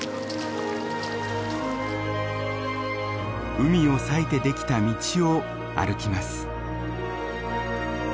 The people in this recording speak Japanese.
海を裂いて出来た道を歩きます。